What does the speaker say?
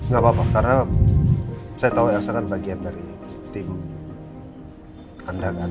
gak apa apa karena saya tahu elsa kan bagian dari tim pandangan